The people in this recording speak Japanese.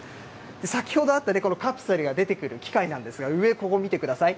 先ほどあったね、このカプセルが出てくる機械なんですが、上、ここ見てください。